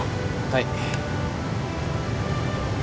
はい。